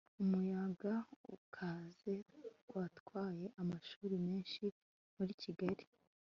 umuyaga ukaze watwaye amashuri menshi muri kigali